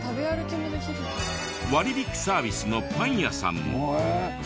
割引サービスのパン屋さんも。